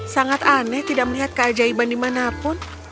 sangat aneh tidak melihat keajaiban dimanapun